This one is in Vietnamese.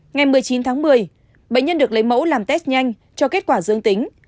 ngày một mươi chín tháng một mươi bệnh nhân được lấy mẫu làm test nhanh cho kết quả dương tính